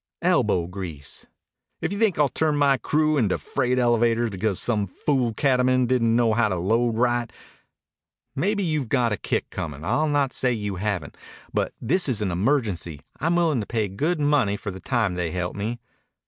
"Elbow grease." "If you think I'll turn my crew into freight elevators because some fool cattleman didn't know how to load right " "Maybe you've got a kick comin'. I'll not say you haven't. But this is an emergency. I'm willin' to pay good money for the time they help me."